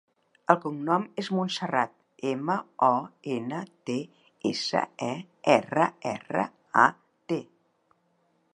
El cognom és Montserrat: ema, o, ena, te, essa, e, erra, erra, a, te.